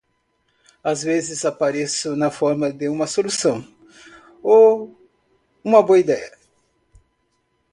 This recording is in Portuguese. Às vezes, apareço na forma de uma solução? ou uma boa ideia.